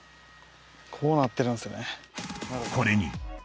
こうなってるんですね。